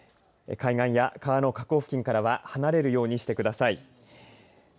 海岸や川の河口付近からは離れるようにしてください。